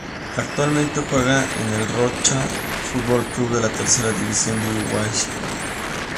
Actualmente juega en el Rocha Fútbol Club de la Tercera División de Uruguay.